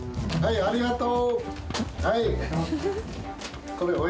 ありがとう。